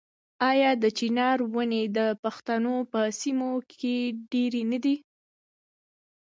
آیا د چنار ونې د پښتنو په سیمو کې ډیرې نه دي؟